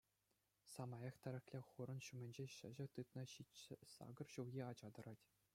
Самаях тӗреклӗ хурӑн ҫумӗнче çĕçĕ тытнӑ ҫич-сакӑр ҫулхи ача тӑрать.